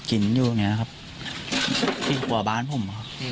กินอยู่อย่างนี้ครับที่หัวบ้านผมครับ